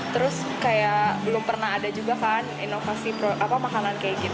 terus kayak belum pernah ada juga kan inovasi makanan kayak gitu